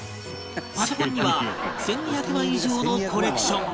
パソコンには１２００枚以上のコレクションが